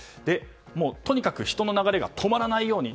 とにかく人の流れが止まらないように。